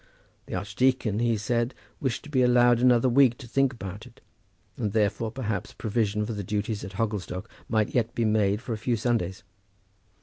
The archdeacon, he said, wished to be allowed another week to think about it; and therefore perhaps provision for the duties at Hogglestock might yet be made for a few Sundays.